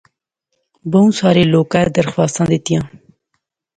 بہوں سارے لوکیں درخواستاں دیتیاں